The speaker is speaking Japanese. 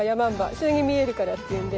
それに見えるからっていうんで。